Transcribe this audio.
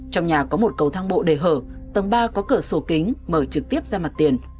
trong nhà có một cầu thang bộ đề hở tầng ba có cửa sổ kính mở trực tiếp ra mặt tiền